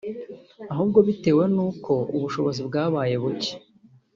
ahubwo bitewe nuko ubushobozi bwabaye buke